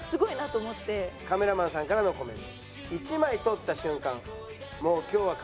カメラマンさんからのコメント。